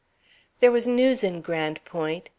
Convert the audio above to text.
There was news in Grande Pointe.